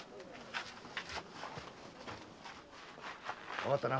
わかったな。